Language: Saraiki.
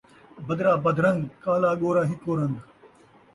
بدرا بدرنگ، کالا ڳورا ہکو رنگ